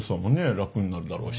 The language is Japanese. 楽になるだろうし。